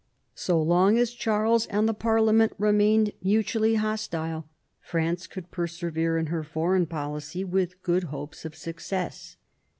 So long as Charles and the parliament remained mutually hostile, France could persevere in her foreign policy with good hopes of success.